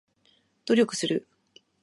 努力する